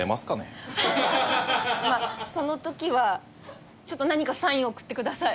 まあその時は何かサインを送ってください。